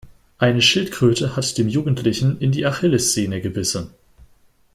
Eine Schildkröte hat dem Jugendlichen in die Achillessehne gebissen.